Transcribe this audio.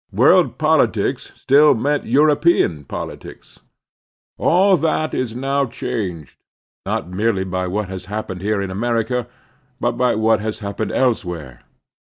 World politics still meant Euro pean politics. The Two Americas sax All that is now changed, not merely by what has happened here in America, but by what has happened elsewhere.